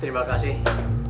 terima kasih pak